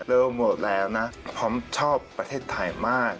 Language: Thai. เริ่มหมดแล้วนะพร้อมชอบประเทศไทยมาก